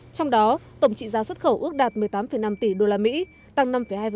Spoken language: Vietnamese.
trong đó tổng trị giá xuất khẩu ước đạt một mươi tám năm tỷ đô la mỹ tăng năm hai